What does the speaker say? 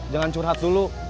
jangan curhat dulu